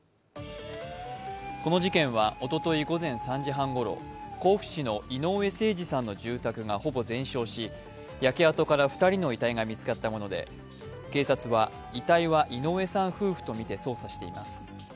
この事件はおととい午前３時半ごろ、甲府市の井上盛司さんの住宅がほぼ全焼し焼け跡から２人の遺体が見つかったもので、警察は遺体は井上さん夫婦とみて捜査しています。